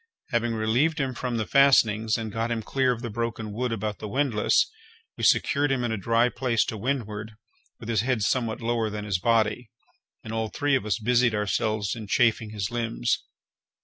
Having relieved him from the fastenings, and got him clear of the broken wood about the windlass, we secured him in a dry place to windward, with his head somewhat lower than his body, and all three of us busied ourselves in chafing his limbs.